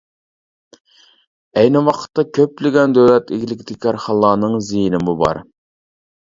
ئەينى ۋاقىتتا، كۆپلىگەن دۆلەت ئىگىلىكىدىكى كارخانىلارنىڭ زىيىنىمۇ بار.